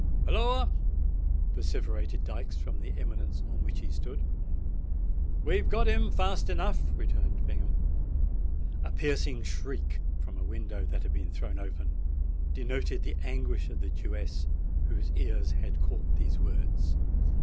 "Holloa?" vociferated Dykes, from the eminence on which he stood. "We've got him, fast enough," returned Bingham. A piercing shriek from a window that had been thrown open, denoted the anguish of the Jewess, whose ears had caught these words.